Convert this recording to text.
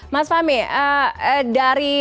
mas fahmi dari